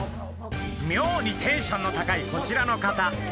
みょうにテンションの高いこちらの方